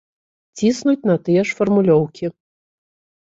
Ціснуць на тыя ж фармулёўкі.